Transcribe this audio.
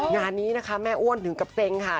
งานนี้นะคะแม่อ้วนถึงกับเซ็งค่ะ